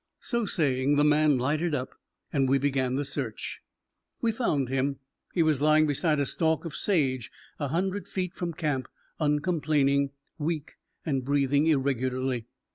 So saying, the man lighted up, and we began the search. We found him. He was lying beside a stalk of sage a hundred feet from camp, uncomplaining, weak, and breathing irregularly.